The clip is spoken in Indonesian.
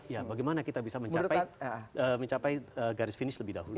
ya bagaimana kita bisa mencapai garis finish lebih dahulu